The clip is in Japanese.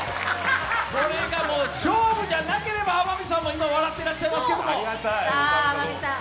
これが勝負じゃなければ、天海さんも笑ってらっしゃいますが。